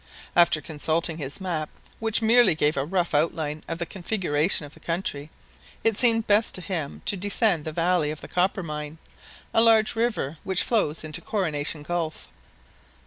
After consulting, his map, which merely gave a rough outline of the configuration of the country, it seemed best to him to descend the valley of the Coppermine, a large river which flows into Coronation Gulf.